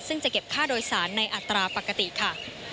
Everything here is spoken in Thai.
ซึ่งจะเก็บค่าโดยสารในอัตราปกติค่ะ